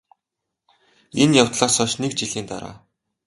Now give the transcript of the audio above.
энэ явдлаас хойш НЭГ жилийн дараа